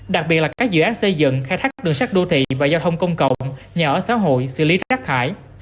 đặc biệt là các dự án xây dựng khai thác các đường sắt đô thị và giao thông công cộng nhà ở xã hội xử lý rác thải